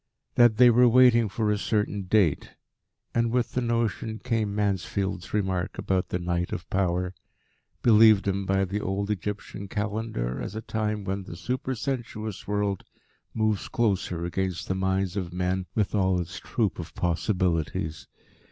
that they were waiting for a certain date, and, with the notion, came Mansfield's remark about "the Night of Power," believed in by the old Egyptian Calendar as a time when the supersensuous world moves close against the minds of men with all its troop of possibilities.